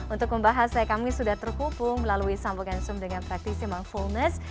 untuk membahasnya kami sudah terhubung melalui sampo gansum dengan praktisi emang fullness